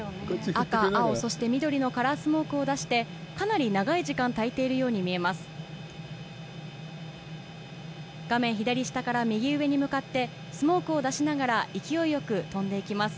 赤、青、そして緑のカラースモークを出して、かなり長い時間、たいているように見えます。